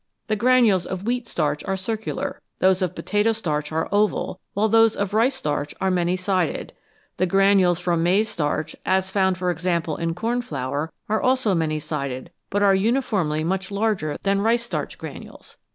The granules of wheat starch are circular, those of potato starch are oval, while those of rice starch are many sided ; the granules from maize starch, as found, for example, in cornflour, are also many sided, but are uniformly much larger than rice starch granules.